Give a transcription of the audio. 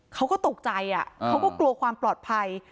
เขาก็ตกใจเขาก็กลัวความปลอดภัย